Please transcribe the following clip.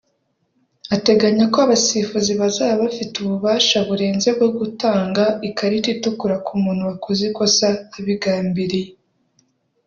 Ateganya ko abasifuzi bazaba bafite ububasha burenze bwo gutanga ikarita itukura ku muntu wakoze ikosa abigambiriye